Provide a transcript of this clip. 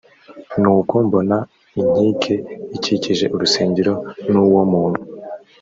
nuko mbona inkike ikikije urusengero n uwo muntu